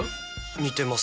似てます。